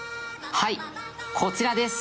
はいこちらです。